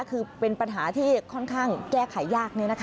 คือเป็นปัญหาที่ค่อนข้างแก้ไขยาก